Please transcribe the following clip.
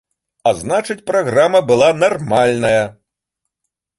А значыць праграма была нармальная.